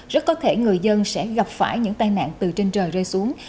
rất có thể người dân sẽ gặp phải những tai nạn từ trên trời rơi xuống